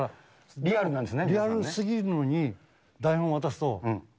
リアルなんですね。